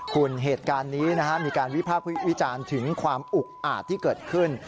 คุณเหตุการณ์นี้มีการวิพากษ์วิจารณ์ถึงความอุกอาจที่เกิดขึ้น